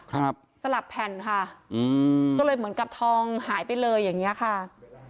สลับแผ่นค่ะอืมก็เลยเหมือนกับทองหายไปเลยอย่างเงี้ยค่ะ